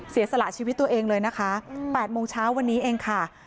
สละชีวิตตัวเองเลยนะคะ๘โมงเช้าวันนี้เองค่ะ